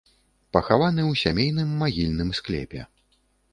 Пахаваны ў сямейным магільным склепе.